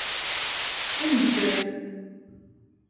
Ad nedder.